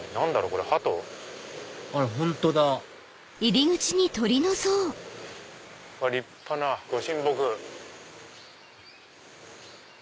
これハト？あら本当だ立派なご神木。